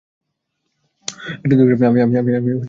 আর আমি জগদীশ পান্ডে!